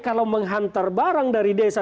kalau menghantar barang dari desa